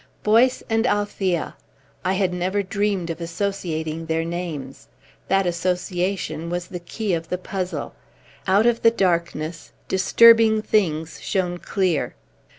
Boyce and Althea! I had never dreamed of associating their names. That association was the key of the puzzle. Out of the darkness disturbing things shone clear.